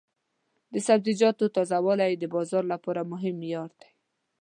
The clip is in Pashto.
د سبزیجاتو تازه والی د بازار لپاره مهم معیار دی.